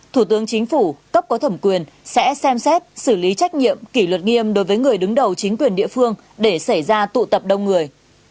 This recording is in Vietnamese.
thủ tướng chính phủ cấp có thẩm quyền sẽ xem xét xử lý trách nhiệm kỷ luật nghiêm đối với người đứng đầu chính quyền địa phương để xảy ra tụ tập đông người